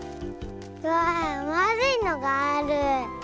わあまあるいのがある。